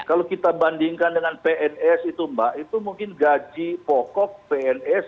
kalau kita bandingkan dengan pns itu mbak itu mungkin gaji pokok pns